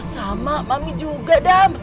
sama mami juga dam